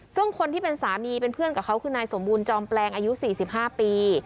ซึ่งคนที่เป็นสามีเป็นเพื่อนกับเขาคือนายสมบูรณจอมแปลงอายุ๔๕ปี